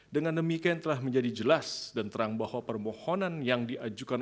dengan demikian telah menjadi jelas dan terang bahwa permohonan yang diajukan